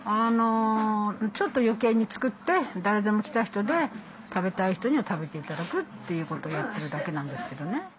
ちょっと余計に作って誰でも来た人で食べたい人には食べて頂くということをやってるだけなんですけどね。